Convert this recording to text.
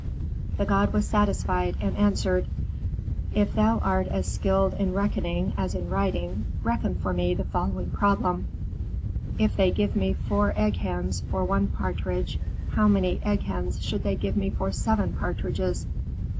"The god was satisfied, and answered, "'If thou art as skilled in reckoning as in writing, reckon for me the following problem: If they give me four hen eggs for one partridge, how many hen eggs should they give me for seven partridges?'